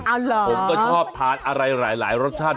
อ้าวหรือหรือว่าผมก็ชอบทานอะไรหลายรสชาติ